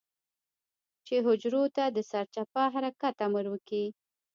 چې حجرو ته د سرچپه حرکت امر وکي.